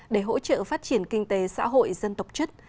để hỗ trợ phát triển kinh tế xã hội dân tộc chất